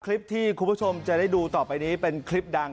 คลิปที่คุณผู้ชมจะได้ดูต่อไปนี้เป็นคลิปดัง